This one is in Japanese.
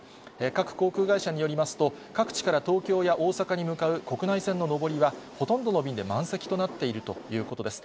各航空会社によりますと、各地から東京や大阪に向かう国内線の上りは、ほとんどの便で満席となっているということです。